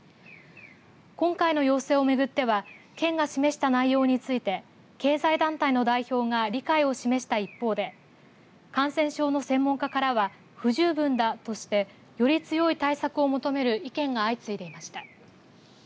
今回の要請を巡っては県が示した内容について経済団体の代表が理解を示した一方で感染症の専門家からは不十分だとしてより強い対策を求める意見が相次いでいました。